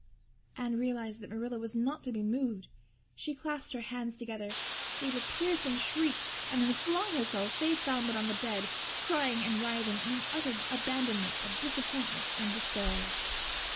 Anne realized that Marilla was not to be moved. She clasped her hands together, gave a piercing shriek, and then flung herself face downward on the bed, crying and writhing in an utter abandonment of disappointment and despair.